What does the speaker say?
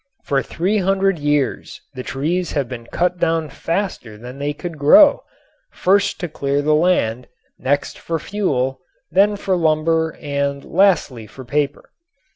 For three hundred years the trees have been cut down faster than they could grow, first to clear the land, next for fuel, then for lumber and lastly for paper.